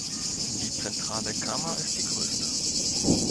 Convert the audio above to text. Die zentrale Kammer ist die größte.